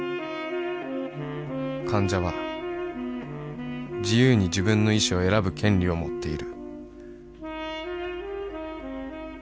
患者は自由に自分の医師を選ぶ権利を持っている